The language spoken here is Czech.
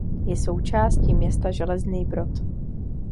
Je součástí města Železný Brod.